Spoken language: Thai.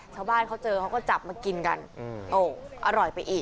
ชาวบ้านเขาเจอเขาก็จับมากินกันโอ้อร่อยไปอีก